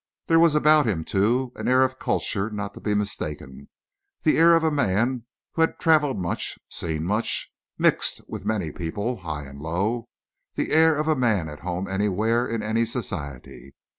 There was about him, too, an air of culture not to be mistaken; the air of a man who had travelled much, seen much, and mixed with many people, high and low; the air of a man at home anywhere, in any society.